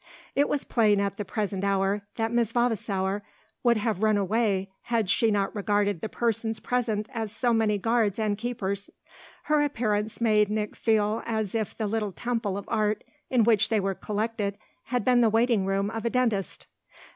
It was plain at the present hour that Miss Vavasour would have run away had she not regarded the persons present as so many guards and keepers. Her appearance made Nick feel as if the little temple of art in which they were collected had been the waiting room of a dentist.